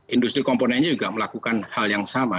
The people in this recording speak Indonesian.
industri komponennya juga melakukan hal yang sama